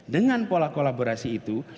dengan pola kolaborasi itu